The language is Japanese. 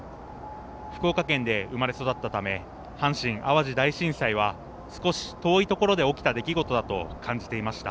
福岡県で生まれ育ったため阪神・淡路大震災は少し遠い所で起きた出来事だと感じていました。